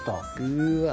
うわ。